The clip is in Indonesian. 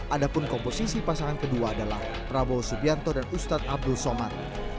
ada pun komposisi pasangan kedua adalah prabowo subianto dan ustadz abdul somad